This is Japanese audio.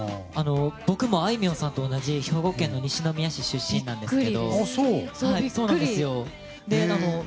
僕もあいみょんさんと同じ兵庫県西宮市出身なんですけど。